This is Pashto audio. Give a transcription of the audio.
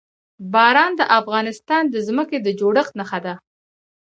باران د افغانستان د ځمکې د جوړښت نښه ده.